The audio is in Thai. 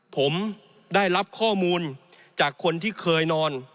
ผมได้รับข้อมูลจากคนที่เคยนอน